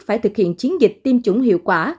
phải thực hiện chiến dịch tiêm chủng hiệu quả